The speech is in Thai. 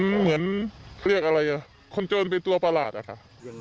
เหมือนเรียกอะไรอ่ะคนโจรเป็นตัวประหลาดอะค่ะ